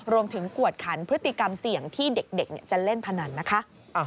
กวดขันพฤติกรรมเสี่ยงที่เด็กจะเล่นพนันนะคะ